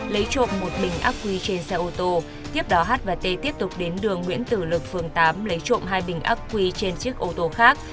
lấy trộm một bình ác quy trên xe ô tô tiếp đó h và t tiếp tục đến đường nguyễn tử lực phường tám lấy trộm hai bình ác quy trên chiếc ô tô khác